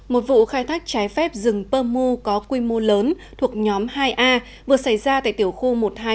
một vụ khai thác trái phép rừng pơ mưu có quy mô lớn thuộc nhóm hai a vừa xảy ra tại tiểu khu một nghìn hai trăm một mươi chín